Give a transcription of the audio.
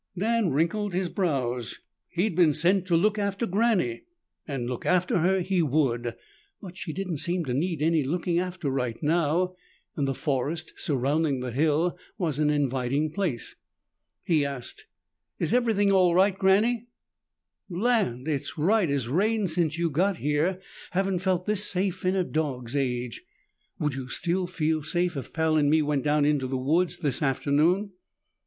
Dan wrinkled his brows. He had been sent to look after Granny, and look after her he would. But she didn't seem to need any looking after right now and the forest surrounding the hill was an inviting place. He asked, "Is everything all right, Granny?" "Land! It's right as rain since you got here. Haven't felt this safe in a dog's age." "Would you still feel safe if Pal and me went down in the woods this afternoon?"